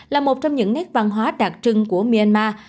là một trong những nét văn hóa đặc trưng của myanmar